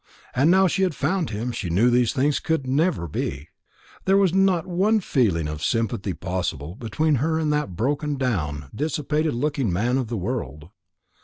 And now she had found him she knew these things could never be that there was not one feeling of sympathy possible between her and that broken down, dissipated looking man of the world.